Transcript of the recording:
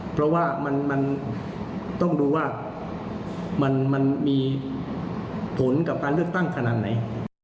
เพราะว่ามันต้องดูว่ามันมีผลกับการเลือกตั้งขนาดไหน